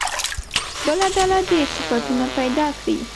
بله ډله دې صفتونه پیدا کړي.